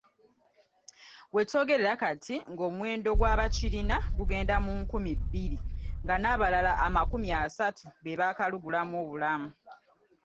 We twogerera kati ng'omuwendo gw'abakirina gugenda mu nkumi bbiri nga n'abalala amakumi asatu be baakalugulamu obulamu.